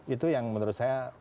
itu yang menurut saya